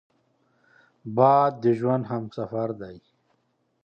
باد د ژوند همسفر دی